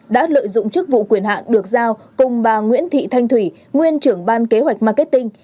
đã lợi dụng chức vụ quyền hạn được giao cùng bà nguyễn thị thanh thủy nguyên trưởng ban kế hoạch marketing